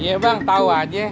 iya bang tahu aja